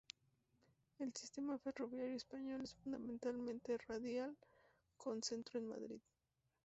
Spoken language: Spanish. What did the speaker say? El sistema ferroviario español es fundamentalmente radial con centro en Madrid.